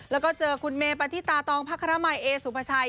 แล้วก็เจอคุณเมปฏิตาตองพระครมัยเอสุภาชัย